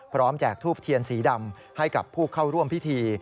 แจกทูบเทียนสีดำให้กับผู้เข้าร่วมพิธี